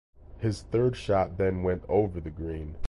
His third shot then went over the green.